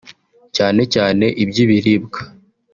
cyane cyane iby’ibiribwa